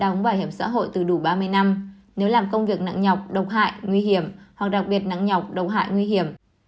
nếu làm công việc nặng nhọc độc hại nguy hiểm hoặc đặc biệt nặng nhọc độc hại nguy hiểm